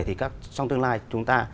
thì trong tương lai chúng ta